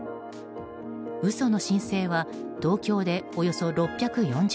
嘘の申請は東京でおよそ６４０件